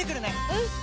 うん！